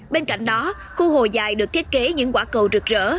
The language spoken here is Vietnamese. bên cạnh đó khu hồ dài được thiết kế những quả cầu rực rỡ